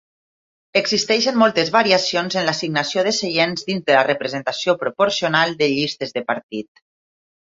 Existeixen moltes variacions en l'assignació de seients dins de la representació proporcional de llistes de partit.